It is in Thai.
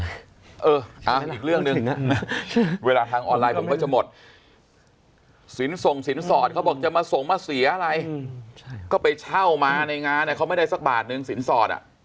อีกเรื่องหนึ่งเวลาทางออนไลน์ผมก็จะหมดสินส่งสินสอดเขาบอกจะมาส่งมาเสียอะไรก็ไปเช่ามาในงานเขาไม่ได้สักบาทนึงสินสอดอ่ะ